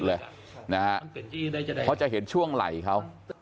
เพราะจะเห็นช่วงไหล่เขา